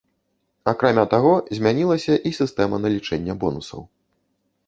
Акрамя таго, змянілася і сістэма налічэння бонусаў.